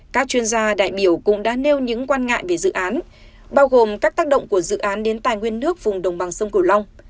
các chuyên gia đại biểu cũng đã nêu những quan ngại về dự án bao gồm các tác động của dự án đến tài nguyên nước vùng đồng bằng sông cửu long